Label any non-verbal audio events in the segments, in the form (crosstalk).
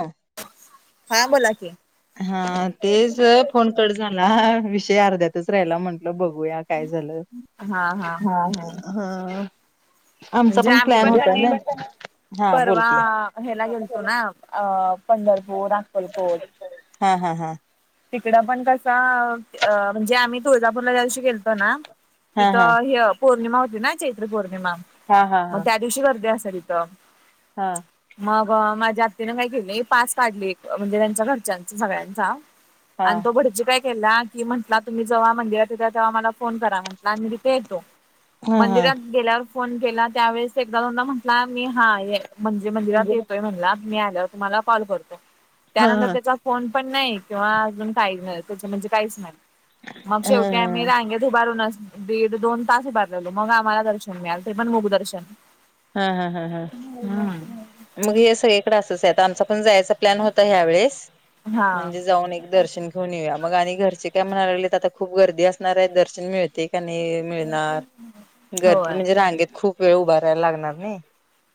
हा हां बोला की हा तेच फोनकट झाला विषय अर्ध्यातच राहिला म्हंटल बघूया काय झालं हा हा ह हा आमचा म्हणजे आम्ही प्लॅन पण होता कनई ना हा बोल परवा की ह्याला गेलतो ना अ पंढरपूर अक्कलकोट हा हा हा तिकडं पण कसं अ म्हणजे आम्ही तुळजापूरलाज्या दिवशी खेलतो ना हा हा तिथं ह पौर्णिमा होती ना चैत्र पौर्णिमा हा हा हा मग हा त्या दिवशी गर्दी असत तिथं हा मग माझ्या आत्तीने काय केलं पास काढले म्हणजे त्यांच्या घरच्यांचा सगळ्यांचा हा हा आणि तो भडजी काय केला की म्हटला तुम्ही जव्हा मंंदिवर तेव्हा मला फोन करा म्हटला आणि तिथे येतो हा हा हा मंदिरात गेल्यावर फोन केला त्यावेेळेस एकदा जोदा म्हटला मी हा ये म्हणजे मंदिरात येतोय म्हणला मी आल्यावर तुम्हाला कॉल करतो त्यानंतर त्याचा फोन पण नाही किंवा अजून काही त्या म्हणजे काहीच नाही मग शेवटी आम्ही हा रांगेत उभारूनच दीड दोन तास उभारलेलो मग आम्हाला दर्शन मिळाल ते पण मुग दर्शन हा हा हा हा हम् मग हे सगळीकडे असच आहे आमचा पण जायचं प्लॅन होता हा वेळेस हा म्हणजे जाऊन एक दर्शन घन येऊया मग आणि घरचे काय म्हणायलागले तर आता खूप गर्दी असणार आहे दर्शन मिळते का मिळणार गर्दी होय म्हणजे रांगेत खूप वेळ उभारायला लागणार नाही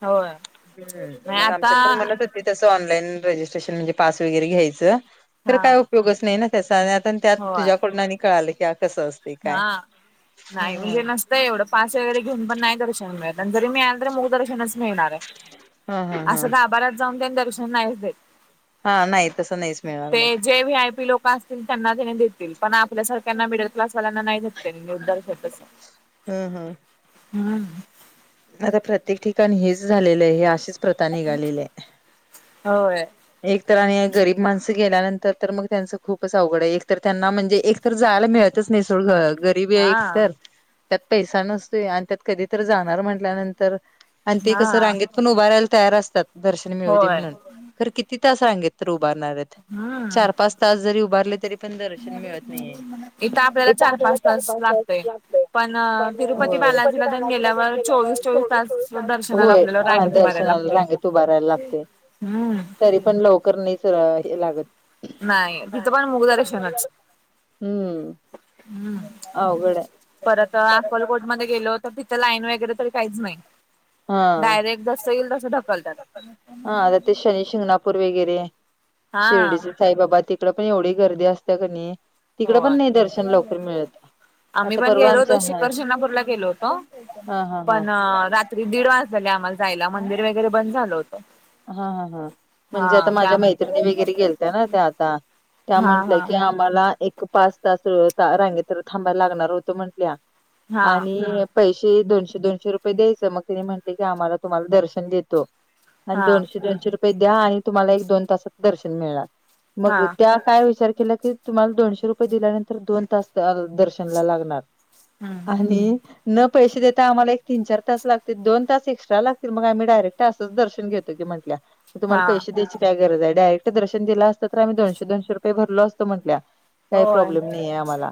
होय हम् नाही मग आता आमच्यात पण म्हणतच तस ऑनलाईन रजिस्ट्रेशन म्हणजे पास वगैरे घ्यायचं तर हा काय उपयोगच नाही त्याचा आ त्यात होय तुझ्याकडून कळालं की कसं असतं हा नाही म्हणजे नसतय एवढं पास वगैरे घेऊन पण नाही दर्शन मिळत आणि जरी मिळालं तरी मुख दर्शनच मिळणार आहे. हा हा आसं गाभाऱ्यात जाऊन तेन, दर्शन नाही होतय. हा नाही तसं नाहीच मिळणार मग ते जे व्हिआयपी लोक पास तेन त्यांना कणी घेतील पण, आपल्यासारख्यांना मिडल क्लास वाल्यांना नाही, भेटत दर्शन तसं. हं हं. हां. आता प्रत्येक ठिकाणी हेच झालेलंय, ही अशीच प्रथा निघालेली होय ए एक तर आणि गरीब माणसं गेल्यानंतर तर, मग त्यांचं खूपच अवघड आहे. एक तर त्यांना म्हणजे एक तर जायला मिळतच नाही सोड, ग गरीब बी ए हा एकतर त्यात पैसा नसतोय आणि त्यात कधीतर जाणार म्हटल्यानंतर आणि ते कसं हा रांगेत पण उभारायला तयार असतात, दर्शन मिळ दे होय म्हणून. खर किती तास रांगेत तर उभारणारेत? हम्म चार पाच तास जरी उभारले तरी पण दर्शन मिळत नाहीये. इथं आपल्याला चार पाच तास लागतय, पण होय. तिरुपती बालाजीला तेन गेल्यावर चोवीस, चोवीस तास होय. हा दर्शनाला रांगेत उभारायला लागतय. हम्म तरी पण लवकर नाहीच र हे लागत. नाही तिथं पण मुखदर्शनच. हम्म हम्म. अवघड आहे परत आकलकोटमध्ये गेलो तर तिथं लाईन वगैरे तरी काहीच नाही. हा डायरेक्ट जसं येईल तसं ढकलत्यात. हा आता ते शनी शिंगणापूर वेगेरे हा शिर्डीच साई बाबा तिकडं पन, एवढी गर्दी असतिया कनी, तिकडं पण होय. नाई दर्शन लवकर मिळत. आम्ही आता पन परवा गेलो होतो. आमचा हा शिखर शिंगनापूरला गेलो होतो. हा हा हा पन रा त्री दीड वाजलेले आम्हाला जायला, मंदिर वगैरे बंद झालं होतं. हां हां हां. म्हणजे आता हा माझ्या मैत्रिणी वगैरे गेलत्या ना, त्या त्या आता त्या हां म्हंटल्या हां की आम् मला एक पाच तास रांगेत थांबायला लागणार होतं म्हटल्या हां आणि पैशे दोनशे दोनशे रुपये द्यायचं, मग तिने म्हनले की आम्हाला तुम्हाला दर्शन देतो आणि हां दोनशे दोनशे रुपये द्या आणि तुम्हाला एक दोन तासात दर्शन मिळणार. मग हां त्या काय विचार केल्या की तुम्हाला दोनशे रुपये दिल्यानंतर दोन तास ता दर्शनला लागणार हम्म आणि न पैसे देता आम्हाला एक तीन चार तास लागतील दोन तास एक्ट्रा लागतील, मग आम्ही डायरेक्ट असंच दर्श न घेतो की, म्हटल्या. म तुम्हाला हां पैसे द्यायची काय गरज हाय डायरेक्ट दर्शन दिलं असतं तर, आम्ही दोनशे दोनशे रुपये भरलो असतो म्हटल्या. काय होय प्रॉब्लेम नाहीेए आम्हाला.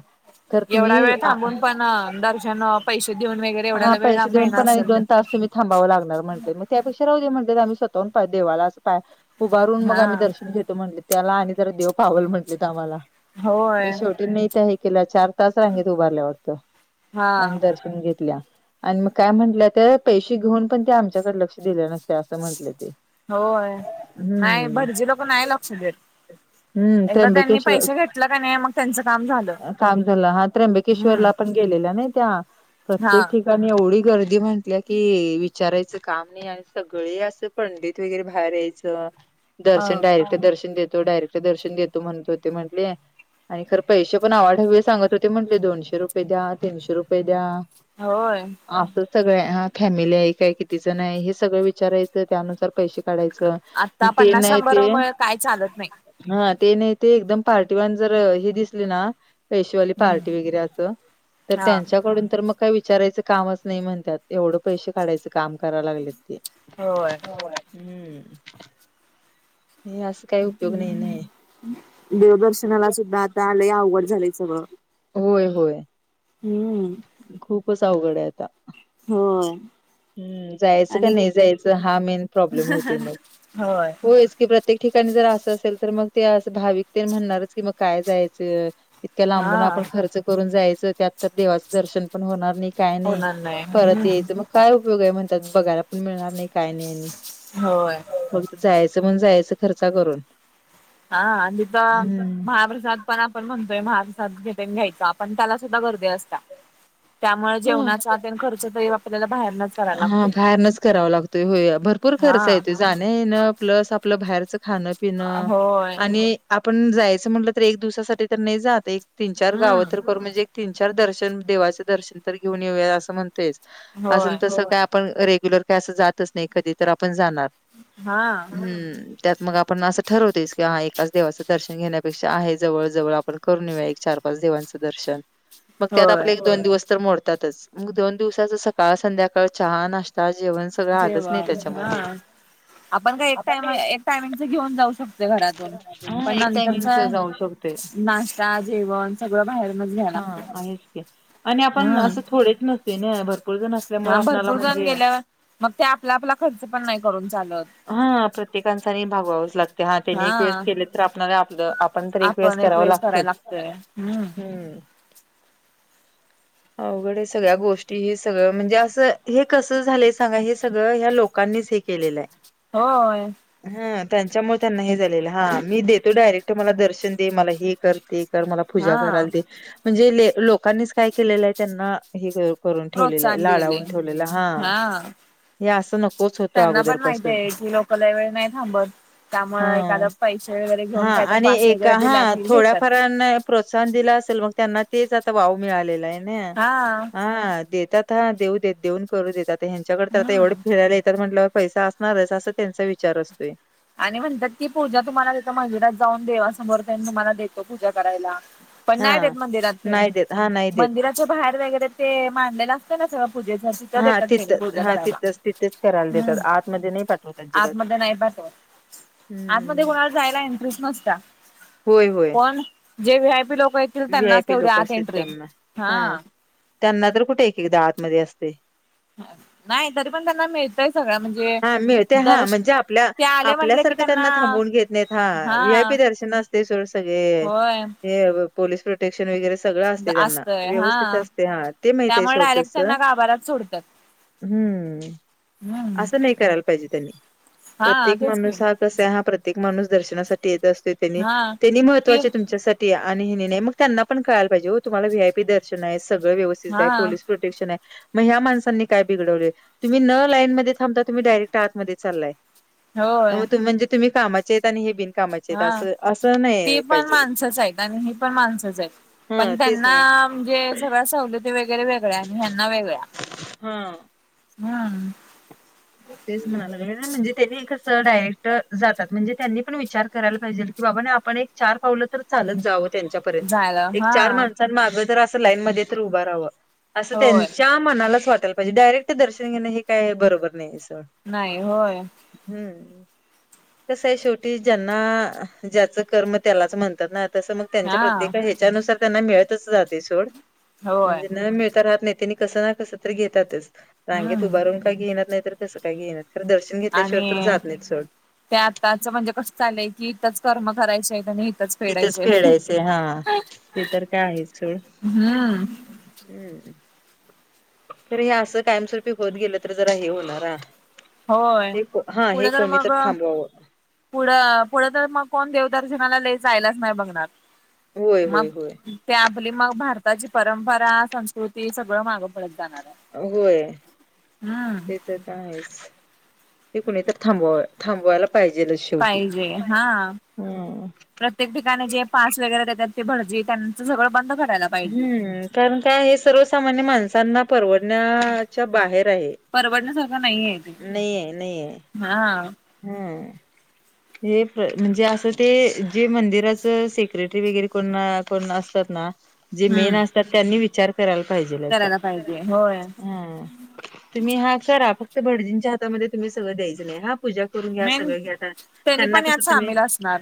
तर एवढा तुम्ही, वेळ आ थांबून पण दर्शन पैसे देऊन वगैरे हा एवढ्याला वेळ पैशे देऊन मिळणार पण आणि असेल तर दोन तास तुम्ही थांबावं लागणार म्हणतंय, मग त्यापेक्षा राहू दे म्हणल आम्ही स्वता हून देवाला पाय उभारून मग हा आम्ही दर्शन घेतो म्हटले, त्याला आणि जरा देव पावल म्हटलेत आम्हाला होय शेवटी नाहीत त्या हे केल्या चार तास रांगेत उभारल्या वाटत हा आणि दर शन घेतल्या आणि म काय म्हटल्या त्या पैशे घेऊन पण, त्या आमच्याकडे लक्ष दिलं नसत. ते असं म्हंटले ते. होय. नाय हम्म भटजी लोकं नाय लक्ष देत. हम्म एकदा त्यांनी त्र्यंबकेश पैसे घेतलं का नाही मग त्यांचं काम झालं काम झालं. हा हम्म त्र्यंबकेश्वरला पण गेलेल्या नाई त्या हा प्रत्येक ठिकाणी एवढी गर्दी म्हटल्या की वि चारायचं काम नाही आणि सगळे असं पंडित वगैरे बाहेर यायचं अ दर्शन डायरेक्ट दर्शन देतो. डायरेक्ट दर्शन देतो, म्हणत होते म्हणले आणि खर पैशे पण आवाढव्य सांगत होते, म्हणले दोनशे रुपये द्या, तीनशे रुपये द्या होय. आसच सगळंए आ फॅमिली आहे काय? किती जण आहे? हे सगळं विचारायचं त्यानुसार पैशे काढायचं आता ते पन्नास नाही ते शंभरा मुळं काय चालत नायी. हा ते नाही ते एकदम पार्टी वान जर हे दिसले ना पैशेवाली पार्टी वगैरे असं, तर हा त्यांच्याकडून तर मग काही विचारायच कामच नाही म्हणत्यात एवढं पैसे काढायच काम करायला लागलेत ते. होय हम्म हे अस देवदर्शनाला सुद्धा आता लय अवघड झालय सगळ. होय होय. हम्म खूपच अवघड आहे आता. हो ह जायच का नाही जायच. हा मेन प्रॉब्लेम होतोय मग. होय होच की प्रत्येक ठिकाणी जर अस असेल तर मग ते अस भाविक तेन म्हणणारच की मग काय जायच. इतक्या लांबून हा आपण खर्च करून जायच. त्यात तर देवाच दर्शन पण होणार नाही. काय नाही होणार परत हम्म यायचं मग काय उपयोग आहे. म्हणतात बघायला पण मिळणार नाही काय नाही आणि. होय. फत जायचं म्हणून जायच खर्च करून. हा आणि तो हम्म महाप्रसाद पण आपण म्हणतोय महाप्रसाद घेटन घ्यायचा. हा पण त्याला सुद्धा गर्दीे असता. त्यामुळे हां. जेवणाचा तेन खर्च तरी आपल्याला बाहेरनच करायला हा लागतोय बाहेरनच करावा लागतोय. होय भरपूर खर्च हा. येतो. जाण येन प्लस आपल बाहेरच खाण पिण. होय आणि आपण जायच म्हटल तर एक दिवसासाठी तर नाही जात आहे. तीन चार गाव हम्म तर करू म्हणजे एक तीन चार दर्शन देवाच दर्शन तर घेऊन येऊया अस म्हणतयच. असन होय तस काय आपण रेग्युलर काय अस जातच नाही कधी. तर आपण जाणार. हा हम्म त्यात मग आपण अस ठरवतेस की, हा एकाच देवाचं दर्शन घेण्यापेक्षा आहे जवळ जवळ आपण करून येऊया एक चार पाच देवांच दर्शन. मग त्यात होय. आपले एक दोन दिवस तर मोडतातच. मग दोन दिवसाच सकाळ संध्याकाळ चहा नाश्ता जेवण सगळ आलच नाही जेवण हा त्याच्यामध्ये. आपण टयमिंगच घेऊन जाऊ शकतो घरातून. हां, पण एक टायमिंगच नंतरचा जाऊ शकतोय. काय जेवण सगळं बाहेरूनच घ्याव लागत. हां. आहेच की आणि आपण हम्म असं थोडेच नसते ना भरपूर जण असल्यामुळे हा आपणाला भरपूर जण म्हणजे गेल्यावर मग ते आपला आपला खर्च पण नाही करून चालत. हा प्रत्येकांचा नाही भागवावच लागत. ते हा त्यांनी एक वेळेस केले तर आपला आपल आपण तर एक वेळेस कराव लागतच. हम्म (inaudible) अवघड सगळ्या गोष्टी. हे सगळं म्हणजे अस हे कस झालय सांगा. हे सगळ ह्या लोकांनीच हे केलेल आहे. होय. ह त्यांच्यामुळे त्यांना हे झालेल. हा मी देतो डायरेक्ट मला दर्शन दे. मला हे कर. ते कर. मला पूजा हा करालते. म्हणजे लोकांनीच काय केलेल आहे त्यांना हे करून ठेवलेलं आहे. प्रोत्साहन दिले लाडावून ठेवलेल आहे. हा हे अस नकोच होत त्यांना पण माहित अगोदरपसून. आहे की लोक लय वेळ नाही थांबत हा त्यामुळे एखादा पैसे वगैरे हा घेऊन काहीतरी आणि पास एका वगैरे हा दिला की थोड्या फार घेतात प्रोत्साहन दिला असेल मग त्यांना तेच आता वाव मिळालेलं आहे ना. हा ह देतात देऊ देत देऊन करू देत. आता ह्यांच्याड तर आता एवढे हम्म फिरायला येतात म्हटल्यावर पैसा असणारच. असा त्यांचा विचार असतोय. आणि म्हणतात की पूजा तुम्हाला देतो. मंदिरात जाऊन देवासमोर त्यांनी तुम्हाला देतो पूजा करायला. पण हा नाही ते मंदिरातेन. नाही देत हा नाही देत मंदिराच्या बाहेर वगैरे ते मांडलेलं असते ना सगळ पूजेच तिथ हा देतात ते तिथं पूजा हा करायला. तिथंच तिथेच करायला देतात हम्म आतमध्ये नाही पाठवत अजिबात. आतमध्ये नाही पाठवत. आतमध्ये हम्म. कुणाला जायला एंट्रेट नसत्या. होय होय पण जे व्हीआय पी लोक आहेत व्ही आय त्यांनाच पी तेवढं लोक आत असतात एंट्री त्यांना (inaudible) हा. त्यांना तर कुठे एक-एकदा आतमध्ये असते. नाही तरी पण त्यांना मिळतय सगळं म्हणजे हा मिळते दर. हा म्हणजे आपल्या आपल्यासारखं त्यांना थांबवून घेत नाहीत हा व्ही आय हा पी दर्शन असते सोड सगळे होय ते. पोलीस प्रोटेक्शन वगैरे सग सगळ असतय त्यांना व्यवस्थित असतय हा ते माहित आहे त्यामुळे सोड डायरेक्ट तस. त्यांना गाभाऱ्यात सोडतात. (inaudible) हम्म (inaudible) हम्म असं नाही कराल पाहिजे त्यांनी हा प्रत्येक तेच की माणूस हा कसा आहे हा प्रत्येक माणूस दर्शनासाठी येत असतो. त्यांनी हा त्यांनी ती महत्वाची तुमच्यासाठी आणि नेत्या मग त्यांना पण कळायला पाहिजे ओ तुम्हाला व्ही आय पी दर्शन आहे. सगळं व्यवस्थित हा आहे पोलीस प्रोटेक्शन ए. प्रोटेक्शन आहे मग ह्या माणसांनी काय बिघडवलय? तुम्ही न लाईनमध्ये थांबता तुम्ही डायरेक्ट आतमध्ये चाललाय. म होय म्हणजे तुम्ही कामाचे आहेत आणि हे बिनकामाचे आहेत हा असं. असं नाही याय पाहिजे. मेन ही पण माणसच आहेत पण हा तेच ना त्यांना म्हणजे सगळ्या सवलती वेगैरे वे गळ्या आणि ह्यांना वेगळ्या हा (inaudible) हम्म. तेच म्हणा लागलोय ना म्हणजे त्यांनी कसं डायरेक्ट जातात म्हणजे त्यांनी पण विचार करायला पाहिजे. की बाबांनो आपण एक-चार पावलं तर चालत जावं झालं त्यांच्यापर्यंत हा एक-चार माणस पण माग जर आस लाईन मध्ये तर उभा राहावं. असं होय त्यांच्या मनालाच वाटायला पाहिजे डायरेक्ट दर्शन घेण हे काय बरोबर नाही अस. नाही होय. हम्म. कसं आहे शेवटी ज्यांना ज्याचं कर्म त्यालाच म्हणतात ना. तसं मग त्यांच्या हा प्रत्येका ह्याच्यानुसार त्यांना मिळतच जाते सोड. होय म्हणजे न मिळता राहत नाही त्यांनी कसं ना कस तरी घेतातच रांगेत हम्म उभारून काय घेईनात नाही तर कंस का घेईनात खरं दर्शन घेतल्याशिवाय तर आणि जात नाहीत सोड ते आताच म्हणजे कस चालंय की इथंच कर्म करायच्या आहेत आणि इथंच इथंच फेडायचे. हा ते तर काय आहे सोड. हम्म हम्म ह. खरं हे असं कायमस्वरूपी होत गेलं तर जरा हे होणार हं. होय हे को हा हे पुढे कोणी मग तर थांबवावं. पुढं पुढं तर मग कोण देवदर्शनाला लय जायलाच नाही बघणार होय (inaudible) मग. होय होय ते आपली मग भारताची परंपरा, संस्कृती सगळं मागं पडत जाणार आहे. होय. हम्म ते (inaudible) ते तर आहेच (inaudible) हे कोणी तर थांबव थांबवायला पाहिजेल अशी. पाहिजे हा. प्रत्येक ठिकाणी जे पास वगैरे देतात ते भडजी त्यांच सगळं बंद करायला पाहिजे. हम्म, कारण काय हे सर्वसामान्य माणसांना परवडण्याच्या बाहेर आहे. परवडण्यासारखं नाहीये ते नाही आहे, नाही आहे. हा. हम. हे म्हणजे असं ते जे मंदिराचं सेक्रेटरी वगैरे कोण अस पण असत्यात ना जे मेन हम्म असतात त्यांनी विचार करायला पाहिजेल याचा. करायला पाहिजे होय (inaudible) ह तुम्ही हा करा फक्त भटजींच्या हातामध्ये तुम्ही सगळं द्यायचं नाही हा पूजा करून घ्या. मेन सगळं घ्या. त्यांनी त्यांना पण यात कसं तुम्ही? सामील असणार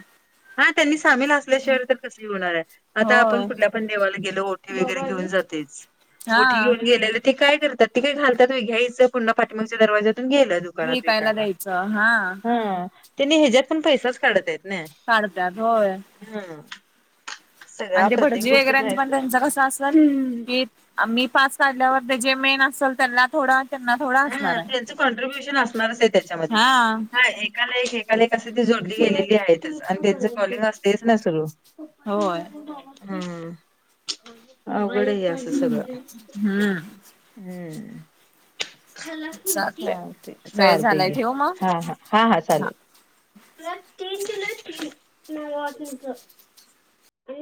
हा त्यांनी सामील असल्याशिवाय तर कसी होणार आहे आता आपण होय कुठल्या पण आपण देवाला गेलो ओठी वगैरे घेऊन जातोयच. हा ओठी घेऊन गेलेल ते काय करतात ते का घालतात होय? घ्यायच पुन्हा पाठीमागच्या दवाजातून गे (unintelligible) विकायला द्यायचं हा. ह त्यांनी ह्याच्या्यात पण पैसाच काढत आहेत काढतत होय ह आणि ते भटजी वगैरेच पण त्यांच कसं असेल की मी पास काढल्यावर ते जे मेन असेल त्यांना थोडं त्यांना थोडा असणार हा आहे. त्यांच कॉन्ट्र्रीब्युशन असणारच आहे त्याच्यामध्ये हा एकाला एक कस ती जोडली गेलेली आहेतच आणि त्यांच फॉलिंग असतेच ना सुरु. होय हम्म अवघड हे अस अस सगळ. हम्म हम्म. चालतय चा ते वेळ चाल तेे झालाय ठेवू मग हा हा हा हा चालेल. तीन किलो तीन नाव वाटनित.